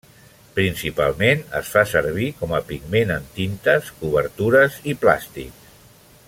Principalment es fa servir com a pigment en tintes, cobertures i plàstics.